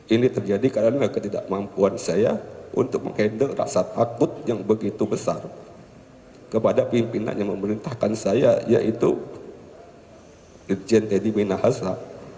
ini terjadi karena ketidakmampuan saya untuk mengendal rasa takut yang begitu besar kepada pimpinan yang memerintahkan saya yaitu ritjen teddy minahasa